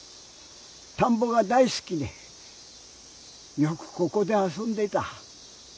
たんぼが大すきでよくここであそんでいた。